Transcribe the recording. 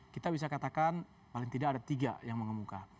kita bisa katakan paling tidak ada tiga yang mengemuka